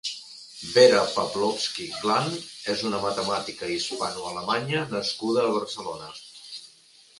Vera Pawlowsky-Glahn és una matemàtica hispano-alemanya nascuda a Barcelona.